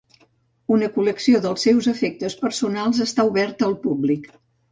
Una col·lecció dels seus efectes personals està oberta al públic.